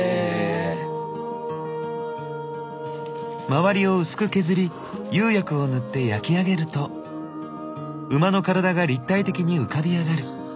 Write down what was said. ⁉周りを薄く削り釉薬を塗って焼き上げると馬の体が立体的に浮かび上がる。